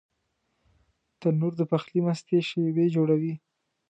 تنور د پخلي مستې شېبې جوړوي